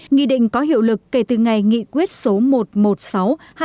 nghị định có hiệu lực kể từ ngày nghị quyết số một trăm một mươi sáu hai nghìn hai mươi qh một mươi bốn